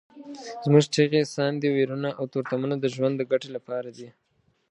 زموږ چیغې، ساندې، ویرونه او تورتمونه د ژوند د ګټې لپاره دي.